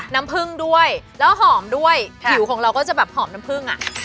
น้ำผึ้งด้วยแล้วหอมด้วยผิวของเราก็จะแบบหอมน้ำผึ้งอ่ะ